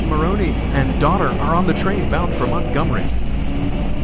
Maroney and daughter are on the train bound for Montgomery."